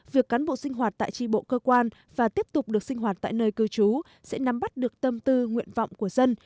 việc cán bộ sinh hoạt tại tri bộ cơ quan và tiếp tục được sinh hoạt tại nơi cư trú sẽ nắm bắt được tâm tư nguyện vọng của dân